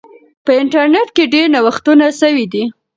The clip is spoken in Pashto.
په انټرنیټ کې ډیر نوښتونه سوي دي.